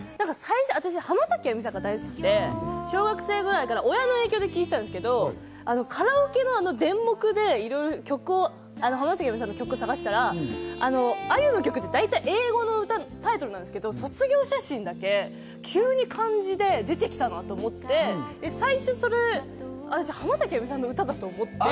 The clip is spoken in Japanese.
浜崎あゆみさんがすごく好きで、小学生ぐらいから親の影響で聴いてたんですけど、カラオケのデンモクで浜崎あゆみさんの曲を探していたら、あゆの曲って大体英語のタイトルなんですけれども、『卒業写真』だけ急に漢字で出てきたなと思って、最初、浜崎あゆみさんの歌だと思って。